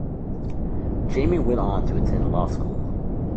Jamie went on to attend law school.